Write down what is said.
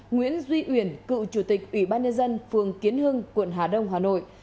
nguyễn duy uyển cựu chủ tịch ủy ban nhân dân phường kiến hưng quận hà đông hà nội